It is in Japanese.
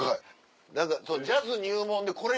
何かジャズ入門で「これ！」。